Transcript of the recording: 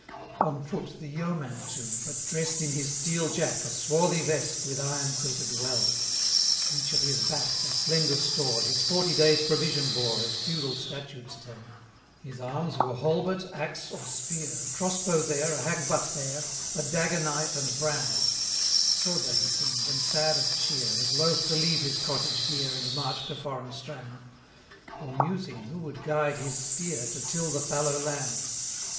On foot the yeoman too, but dress'd In his steel jack, a swarthy vest, With iron quilted well; Each at his back (a slender store) 50 His forty days' provision bore, As feudal statutes tell. His arms were halbert, axe, or spear, A crossbow there, a hagbut here, A dagger knife, and brand. 55 Sober he seem'd, and sad of cheer, As loath to leave his cottage dear, And march to foreign strand; Or musing, who would guide his steer, To till the fallow land.